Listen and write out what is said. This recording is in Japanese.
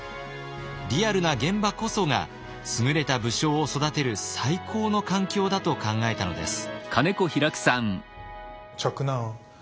リアルな現場こそが優れた武将を育てる最高の環境だと考えたのです。